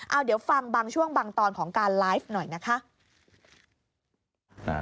เอาเดี๋ยวฟังบางช่วงบางตอนของการไลฟ์หน่อยนะคะ